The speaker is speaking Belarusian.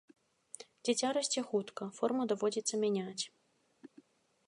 Дзіця расце хутка, форму даводзіцца мяняць.